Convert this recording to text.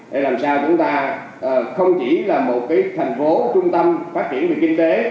để làm sao chúng ta không chỉ là một thành phố trung tâm phát triển về kinh tế